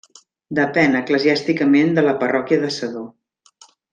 Depèn eclesiàsticament de la parròquia de Sedó.